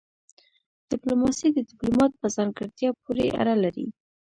ډيپلوماسي د ډيپلومات په ځانګړتيا پوري اړه لري.